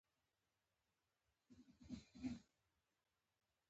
افغانستان تر هغو نه ابادیږي، ترڅو پاخه سړکونه تر لیرې پرتو سیمو ونه رسیږي.